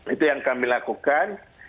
itu yang kami lakukan